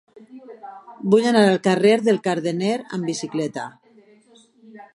Vull anar al carrer del Cardener amb bicicleta.